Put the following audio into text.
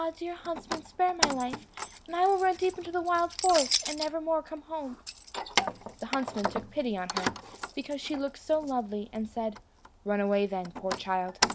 dear huntsman, spare my life, and I will run deep into the wild forest, and never more come home." The huntsman took pity on her, because she looked so lovely, and said, "Run away then, poor child!"